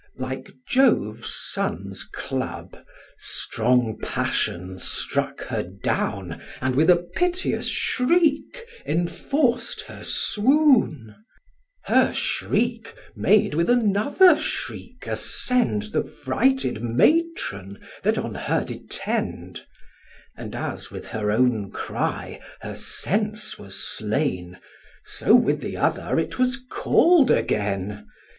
Like Jove's son's club, strong passion struck her down And with a piteous shriek enforc'd her swoun: Her shriek made with another shriek ascend The frighted matron that on her did tend; And as with her own cry her sense was slain, So with the other it was call'd again.